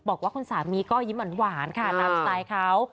บอกว่าคุณสามีก็ยิ้มหวานค่ะตามสไตล์เขา